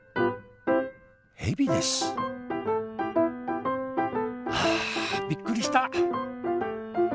ヘビですはあびっくりした。